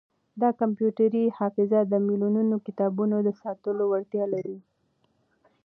دا کمپیوټري حافظه د ملیونونو کتابونو د ساتلو وړتیا لري.